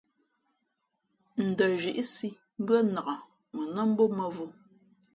N ndαzhíʼsī mbʉ́ά nǎk mα nά mbō mᾱvǒ.